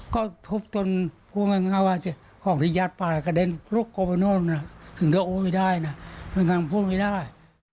ก็ทุบจนผู้หญิงนั้นว่าของที่ยัดป่ากระเด็นลูกกลบไปโน้นนะถึงเดินออกไปได้นะมันยังพูดไม่ได้